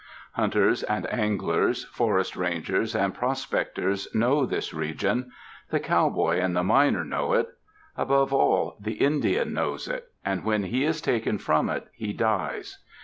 Hunters and anglers, forest rangers and pros pectors know this region ; the cowboy and the miner know it; above all, the Indian knows it, and when he is taken from it, he dies.